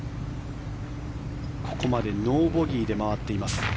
ここまでノーボギーで回っています。